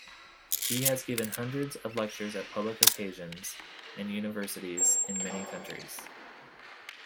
He has given hundreds of lectures at public occasions and universities in many countries.